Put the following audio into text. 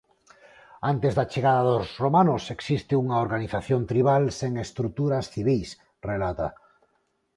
Antes da chegada dos romanos, existe unha organización tribal sen estruturas civís, relata.